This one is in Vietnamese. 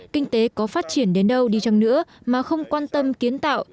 kinh tế có phát triển đến đâu đi chăng nữa mà không quan tâm kiến tạo